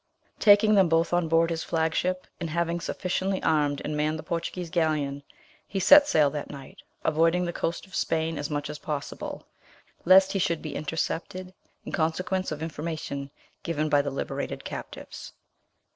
Taking them both on board his flag ship, and having sufficiently armed and manned the Portuguese galleon, he set sail that night, avoiding the coast of Spain as much as possible, lest he should be intercepted in consequence of! information given by the liberated captives.